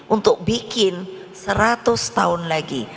untuk bikin seratus tahun lagi